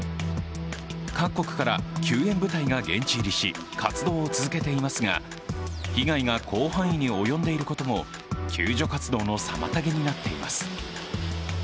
各国から救援部隊が現地入りし、活動を続けていますが、被害が広範囲に及んでいることも救助活動の妨げになっています。